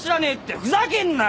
ふざけんなよ！